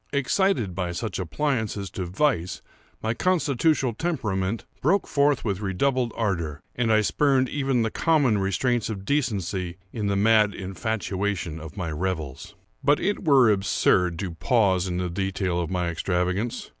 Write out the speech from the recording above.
Excited by such appliances to vice, my constitutional temperament broke forth with redoubled ardor, and I spurned even the common restraints of decency in the mad infatuation of my revels. But it were absurd to pause in the detail of my extravagance.